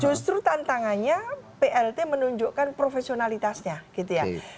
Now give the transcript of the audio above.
justru tantangannya plt menunjukkan profesionalitasnya gitu ya